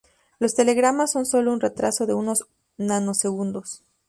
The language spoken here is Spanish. Los telegramas son sólo un retraso de unos nanosegundos.